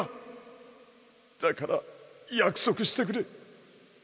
だから約束してくれ。